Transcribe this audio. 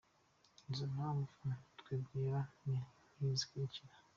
Izo mpamvu twibwira ni nk’izi zikurikira:.